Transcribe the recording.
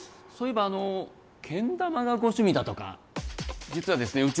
そういえばあのけん玉がご趣味だとか実はですね